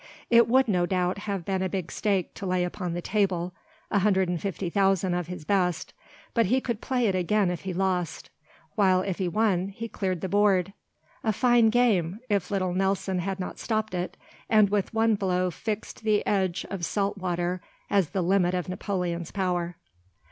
It would, no doubt, have been a big stake to lay upon the table—150,000 of his best—but he could play again if he lost; while, if he won, he cleared the board. A fine game—if little Nelson had not stopped it, and with one blow fixed the edge of salt water as the limit of Napoleon's power.